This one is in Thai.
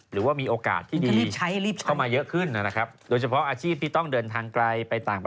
หรือว่ามีโอกาสที่ดีก็มาเยอะขึ้นโดยเฉพาะอาชีพที่ช่องเดินทางไกล